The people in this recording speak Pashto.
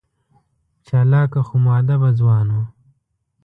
چالاکه خو مودبه ځوان و.